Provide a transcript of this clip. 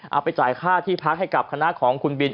เอาไปจ่ายค่าที่พักให้กับคณะของคุณบิน